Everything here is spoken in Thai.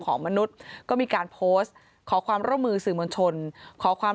ของมนุษย์ก็มีการโพสต์ขอความร่วมมือสื่อมวลชนขอความ